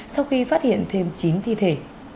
sau khi phát hiện thêm chín thi thể